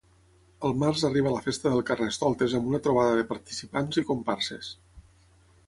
Al Març arriba la festa del Carnestoltes amb una trobada de participants i comparses.